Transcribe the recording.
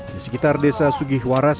di sekitar desa sugihwaras